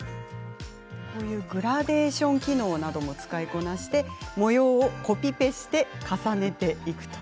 グラデーション機能も使いこなしながら模様をコピペして重ねていきます。